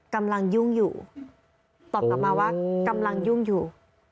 กำลังยุ่งอยู่ตอบกลับมาว่ากำลังยุ่งอยู่